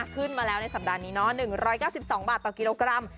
ขึ้นมาแล้วในสัปดาห์นี้เนาะ๑๙๒บาทต่อกิโลกรัม